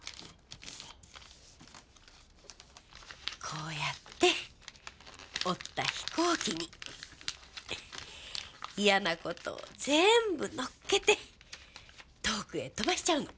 こうやって折った飛行機に嫌なことを全部乗っけて遠くへ飛ばしちゃうの。